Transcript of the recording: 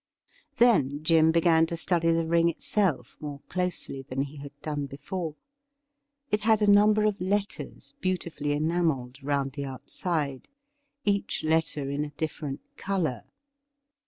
Then Jim began to study the ring itself more closely than he had done before. It had a number of letters beautifully enamelled round the outside, each letter in a different colour.